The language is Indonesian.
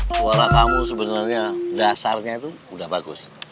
suara kamu sebenarnya dasarnya itu udah bagus